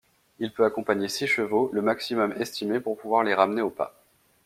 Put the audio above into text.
Il peut accompagner six chevaux, le maximum estimé pour pouvoir les ramener au pas.